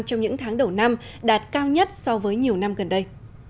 trong những tháng đầu năm đạt cao nhất so với nhiều năm gần đây